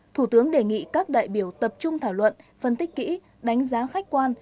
thủ tướng đề nghị các đại biểu tập trung thảo luận phân tích kỹ đánh giá khách quan